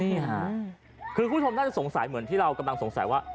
นี่ค่ะคือคุณผู้ชมน่าจะสงสัยเหมือนที่เรากำลังสงสัยว่า